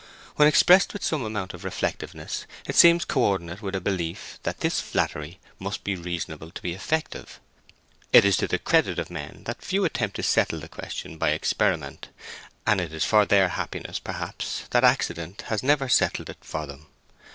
When expressed with some amount of reflectiveness it seems co ordinate with a belief that this flattery must be reasonable to be effective. It is to the credit of men that few attempt to settle the question by experiment, and it is for their happiness, perhaps, that accident has never settled it for them.